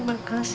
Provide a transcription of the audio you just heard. aku mau pergi